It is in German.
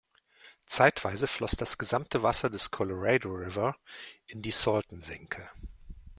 Zeitweise floss das gesamte Wasser des Colorado River in die Salton-Senke.